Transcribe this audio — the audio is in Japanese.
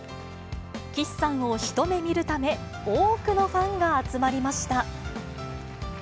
岸さんを一目見るため、多くのファンが集まりました。